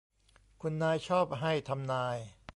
คุณนายชอบให้ทำนาย